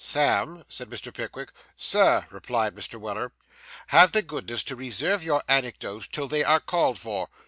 'Sam,' said Mr. Pickwick. 'Sir,' replied Mr. Weller. 'Have the goodness to reserve your anecdotes till they are called for.